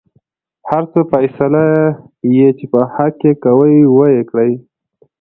هر څه فيصله يې چې په حق کې کوۍ وېې کړۍ.